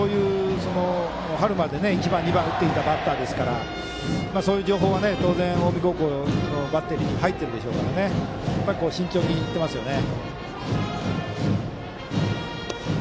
春まで１番、２番を打っていたバッターですからそういう情報は当然近江高校のバッテリーにも入っているでしょうから慎重にいっていますよね。